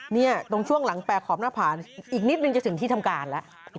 เนี่ยตรงช่วงหลังแปลกขอบหน้าผ่านอีกนิดนึงจะถึงที่ทำการแล้ว